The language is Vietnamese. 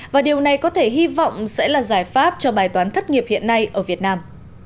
và điều này có thể hy vọng sẽ là giải pháp cho bài toán thất nghiệp hiện nay ở việt nam